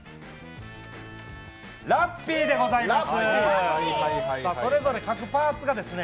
ラッピーでございます。